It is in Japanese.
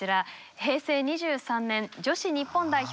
平成２３年女子日本代表